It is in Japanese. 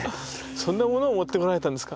そんなものを持ってこられたんですか。